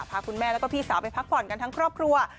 พาคุณแม่แล้วก็พี่สาวไปพักผ่อนกันทั้งครอบครัว